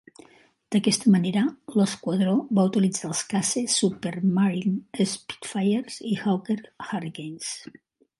D'aquesta manera, l'esquadró va utilitzar els caces Supermarine Spitfires i Hawker Hurricanes.